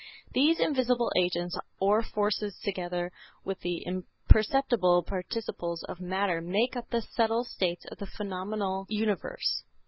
These invisible agents or forces together with the imperceptible particles of matter make up the subtle states of the phenomenal universe.